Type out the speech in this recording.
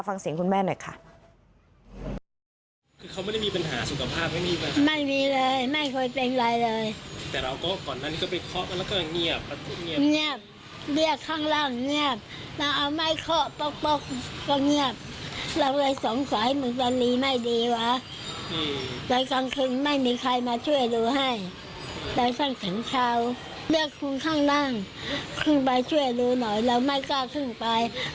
ฟังเสียงคุณแม่หน่อยค่ะ